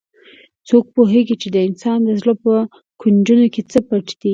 څوک پوهیږي چې د انسان د زړه په کونجونو کې څه پټ دي